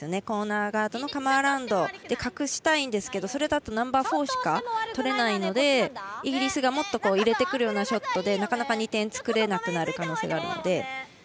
コーナーガードのカムアラウンドで隠したいんですがそれだとナンバーフォーしか取れないのでイギリスがもっと入れてくるようなショットでなかなか２点作れなくなる可能性があるので。